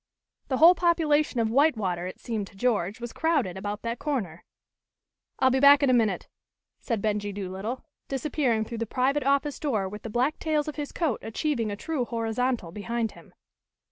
The whole population of White water, it seemed to George, was crowded about that corner. "I'll be back in a minute," said Benjie Doolittle, disappearing through the private office door with the black tails of his coat achieving a true horizontal behind him.